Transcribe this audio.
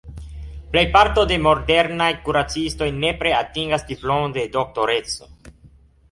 Plejparto da modernaj kuracistoj nepre atingas diplomon de Doktoreco.